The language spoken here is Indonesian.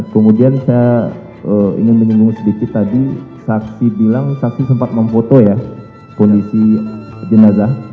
kemudian saya ingin menyinggung sedikit tadi saksi bilang saksi sempat memfoto ya kondisi jenazah